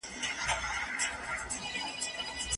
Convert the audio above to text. خالقه د آسمان په کناره کې سره ناست وو